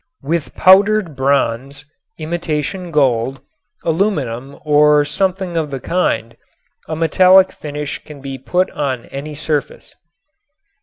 With powdered bronze, imitation gold, aluminum or something of the kind a metallic finish can be put on any surface.